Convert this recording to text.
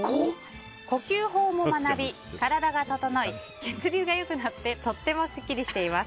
呼吸法も学び、体が整い血流が良くなってとてもスッキリしています。